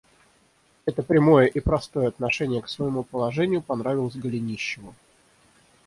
Это прямое и простое отношение к своему положению понравилось Голенищеву.